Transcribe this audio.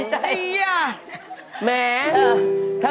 แหม่